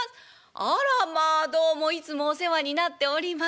あらまあどうもいつもお世話になっております。